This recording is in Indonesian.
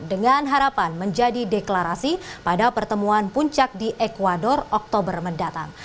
dengan harapan menjadi deklarasi pada pertemuan puncak di ecuador oktober mendatang